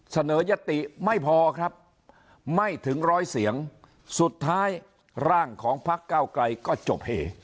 เสนอยติไม่พอครับไม่ถึงร้อยเสียงสุดท้ายร่างของพักเก้าไกลก็จบเห